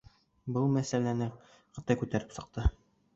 Был мәсьәләне Ҡытай күтәреп сыҡты.